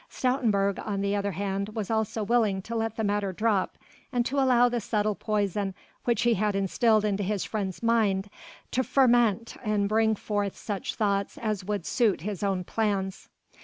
Stoutenburg on the other hand was also willing to let the matter drop and to allow the subtle poison which he had instilled into his friend's mind to ferment and bring forth such thoughts as would suit his own plans.